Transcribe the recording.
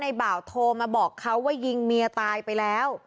บ่าวโทรมาบอกเขาว่ายิงเมียตายไปแล้ว